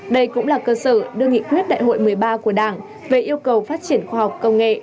đây cũng là cơ sở đưa nghị quyết đại hội một mươi ba của đảng về yêu cầu phát triển khoa học công nghệ